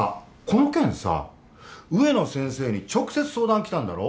この件さ植野先生に直接相談きたんだろ？